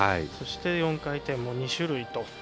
そして４回転も２種類と。